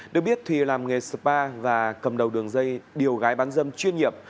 được biết thùy làm nghề spa và cầm đầu đường dây điều gái bán dâm chuyên nghiệp